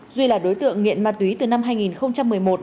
duy là đối tượng nghiện ma túy từ năm hai nghìn một mươi một